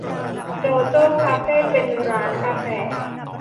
โจโจ้คาเฟ่ เป็นร้านกาแฟ